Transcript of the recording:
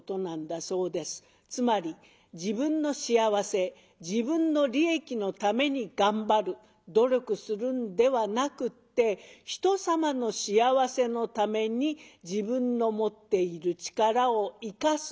つまり自分の幸せ自分の利益のために頑張る努力するんではなくってひとさまの幸せのために自分の持っている力を生かす。